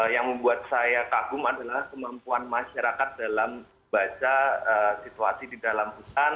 yang membuat saya kagum adalah kemampuan masyarakat dalam baca situasi di dalam hutan